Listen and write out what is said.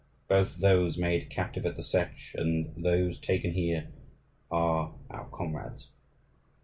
Both those made captive at the Setch and these taken here are our comrades.